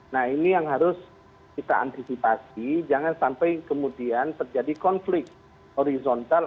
nah ini yang harus kita antisipasi jangan sampai kemudian terjadi konflik horizontal